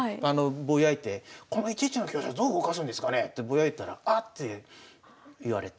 ぼやいてこの１一の香車どう動かすんですかねってぼやいたら「あっ」て言われて。